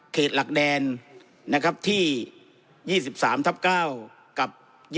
เขตหลักแดนที่๒๓๙กับ๒๓๑๐